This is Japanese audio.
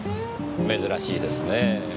珍しいですねぇ。